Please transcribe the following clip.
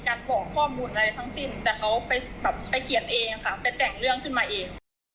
แต่เขาไปเขียนเองค่ะไปแต่งเรื่องขึ้นมาเอง